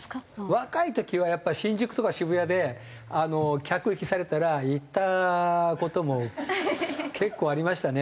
若い時はやっぱり新宿とか渋谷で客引きされたら行った事も結構ありましたね。